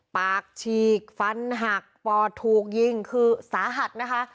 ปากฉีกฟันหักปอดถูกยิงคือสาหัสนะคะ